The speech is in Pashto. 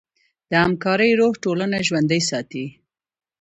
د همکارۍ روح ټولنه ژوندۍ ساتي.